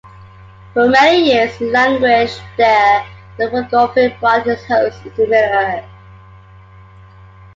For many years, he languished there while Fingolfin brought his hosts into Middle-earth.